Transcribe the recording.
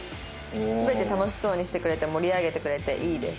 全て楽しそうにしてくれて盛り上げてくれていいです」